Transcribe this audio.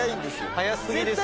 早すぎですよ。